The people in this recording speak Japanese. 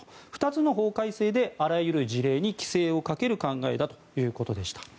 ２つの法改正で、あらゆる事例に規制をかける考えだということでした。